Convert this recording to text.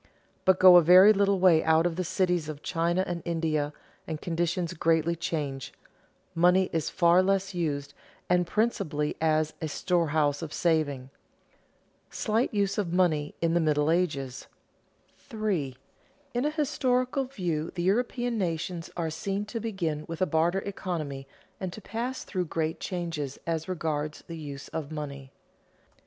But go a very little way out of the cities of China and India, and conditions greatly change; money is far less used and principally as a storehouse of saving. [Sidenote: Slight use of money in the Middle Ages] 3. _In a historical view the European nations are seen to begin with a barter economy and to pass through great changes as regards the use of money.